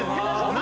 何？